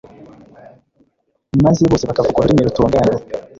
maze bose bakavuga “ururimi rutunganye,